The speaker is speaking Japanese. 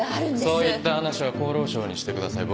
そういった話は厚労省にしてください。